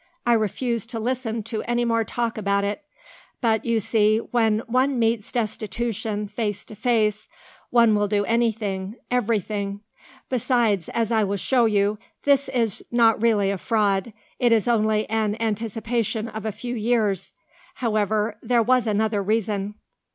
I refused to listen to any more talk about it. But, you see, when one meets destitution face to face, one will do anything everything. Besides, as I will show you, this is not really a fraud. It is only an anticipation of a few years. However, there was another reason."